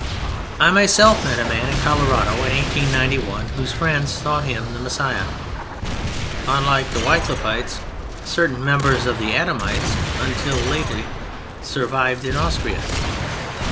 I myself met a man in Colorado in 1891 whose friends thought him the Messiah. Unlike the Wycliffites certain members of the Adamites until lately survived in Austria.